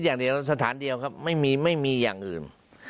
สถานีเดียวครับไม่มีอย่างอื่น